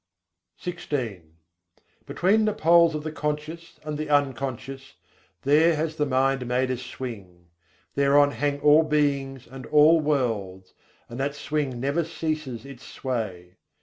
XVI II. 59. jânh, cet acet khambh dôû Between the poles of the conscious and the unconscious, there has the mind made a swing: Thereon hang all beings and all worlds, and that swing never ceases its sway.